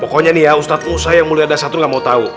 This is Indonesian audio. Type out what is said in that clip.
pokoknya nih ya ustadz musa yang mulia dasyatun gak mau tau